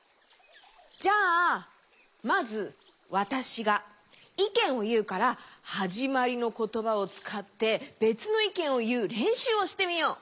じゃあまずわたしがいけんをいうからはじまりのことばをつかってべつのいけんをいうれんしゅうをしてみよう！